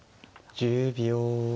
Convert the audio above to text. １０秒。